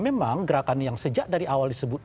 memang gerakan yang sejak dari awal disebut